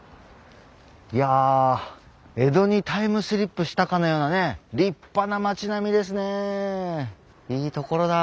いや江戸にタイムスリップしたかのようなね立派な町並みですねいい所だ。